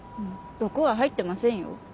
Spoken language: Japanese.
毒は入ってませんよ。